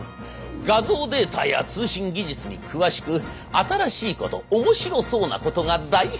画像データや通信技術に詳しく新しいこと面白そうなことが大好きなこの男。